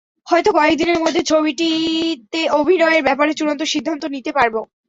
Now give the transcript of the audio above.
হয়তো কয়েক দিনের মধ্যে ছবিটিতে অভিনয়ের ব্যাপারে চূড়ান্ত সিদ্ধান্ত নিতে পারব।